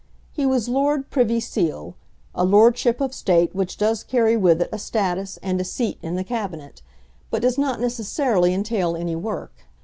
He was Lord Privy Seal, a Lordship of State which does carry with it a status and a seat in the Cabinet, but does not necessarily entail any work.